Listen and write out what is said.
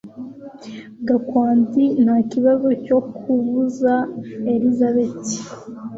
Gakwandi ntakibazo cyo kubuza Elisabeth